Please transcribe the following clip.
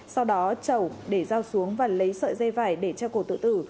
sau đó chầu để dao xuống và lấy sợi dây vải để treo cổ tự tử